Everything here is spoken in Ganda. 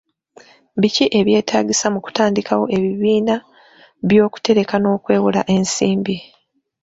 Biki ebyetaagisa mu kutandikawo ebibiina by'okutereka n'okwewola ensimbi?